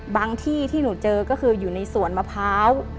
ที่ที่หนูเจอก็คืออยู่ในสวนมะพร้าว